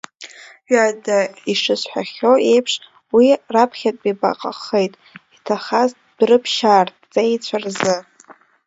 Ҩада ишысҳәахьоу еиԥш, уи раԥхьатәи баҟахеит иҭахаз Дәрыԥшьаа рҵеицәа рзы!